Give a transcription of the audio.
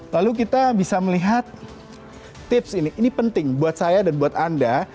lalu kita bisa melihat tips ini ini penting buat saya dan buat anda